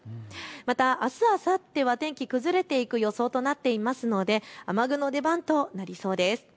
またあす、あさっては天気崩れていく予想となっていますので雨具の出番となりそうです。